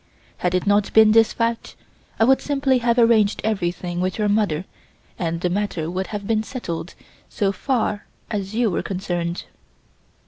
Had it not been for this fact I would simply have arranged everything with your mother and the matter would have been settled so far as you were concerned."